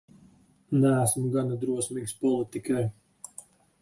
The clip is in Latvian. Neesmu gana drosmīgs politikai.